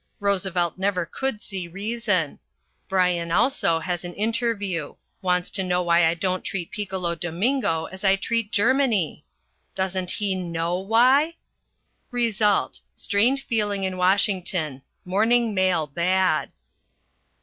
Roosevelt never could see reason. Bryan also has an interview: wants to know why I don't treat Piccolo Domingo as I treat Germany? Doesn't he know why? Result: strained feeling in Washington. Morning mail bad.